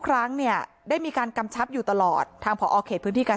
ครั้งเนี่ยได้มีการกำชับอยู่ตลอดทางพอเขตพื้นที่การ